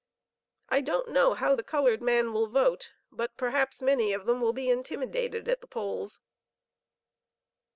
I don't know how the colored man will vote, but perhaps many of them will be intimidated at the polls."